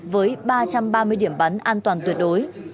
với ba trăm ba mươi điểm bắn an toàn tuyệt đối